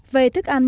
về thức ăn